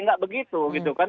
nggak begitu gitu kan